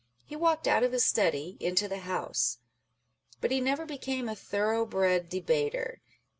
He walked out of his study into the House. But he never became a thorough bred debater.